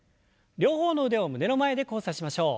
両方の腕を胸の前で交差しましょう。